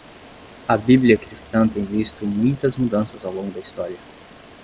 A bíblia cristã tem visto muitas mudanças ao longo da história.